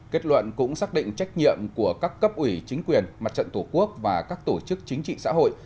kết luận cũng xác định trách nhiệm của các cấp ủy chính quyền mặt trận tổ quốc và các tổ chức chính trị xã hội